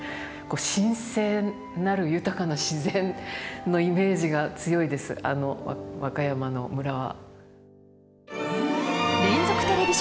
神聖なる豊かな自然のイメージが強いです和歌山の村は。